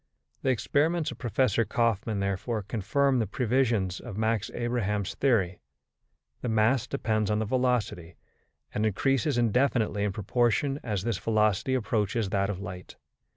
The experiments of Professor Kaufmann, therefore, confirm the previsions of Max Abraham's theory: the mass depends on the velocity, and increases indefinitely in proportion as this velocity approaches that of light.